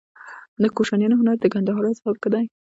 د کوشانیانو هنر د ګندهارا سبک و